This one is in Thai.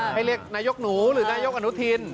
ให้เรียกนายกหนูหรือนายกอนุทิน